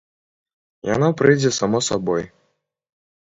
Яно прыйдзе само сабой.